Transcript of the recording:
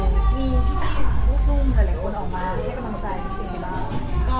มีผู้ชมหลายคนออกมาที่กำลังจะดอมใจสิ่งหรือเปล่า